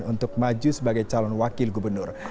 untuk maju sebagai calon wakil gubernur